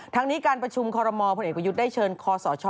ทั้งนี้การประชุมคอรมอพลเอกประยุทธ์ได้เชิญคอสช